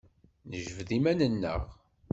Nejbed iman-nneɣ.